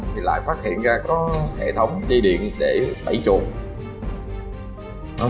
thì lại phát hiện ra có hệ thống di điện để bẫy chuột